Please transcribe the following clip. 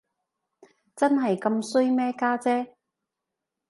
真係咁衰咩，家姐？